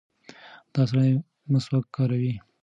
دا سړی مسواک کاروي.